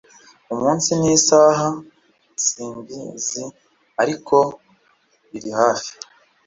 umunsi n'isaha; simbiziariko birihafi